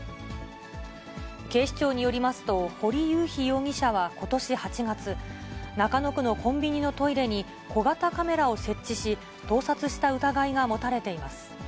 警視庁によりますと、堀雄飛容疑者はことし８月、中野区のコンビニのトイレに、小型カメラを設置し、盗撮した疑いが持たれています。